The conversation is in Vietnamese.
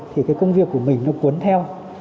thì cái công việc của mình nó cuốn theo